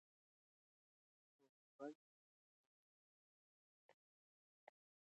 تاسو باید اور بل کړئ.